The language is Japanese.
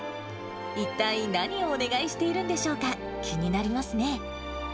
一体何をお願いしているんでしょうか、気になりますね。